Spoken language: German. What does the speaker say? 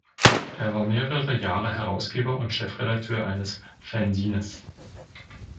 Er war mehrere Jahre Herausgeber und Chefredakteur eines Fanzines.